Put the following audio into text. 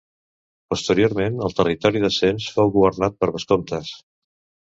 Posteriorment el territori de Sens fou governat per vescomtes.